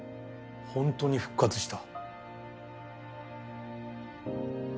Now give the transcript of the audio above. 本当に復活した。